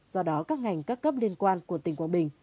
do đó các ngành các cấp liên quan của tỉnh quảng bình